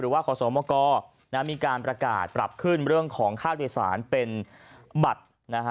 ว่าขอสมกรมีการประกาศปรับขึ้นเรื่องของค่าโดยสารเป็นบัตรนะฮะ